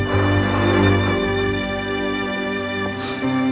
ya udah om baik